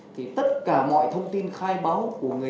thì tất cả mọi thông tin khai báo của người dân